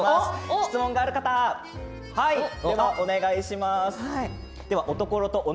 質問がある方お願いします。